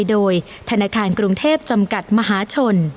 โดยธนาคารกรุงเทพจำกัดมหาชน